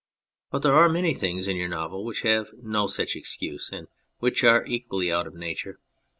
But there are many things in your novel which have no such excuse, and which are equally out of Nature.